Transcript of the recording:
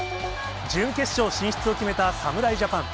準決勝進出を決めた侍ジャパン。